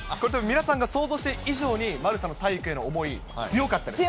皆さんが想像している以上に、丸さんの体育への思い、強かったですか？